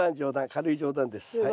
軽い冗談です。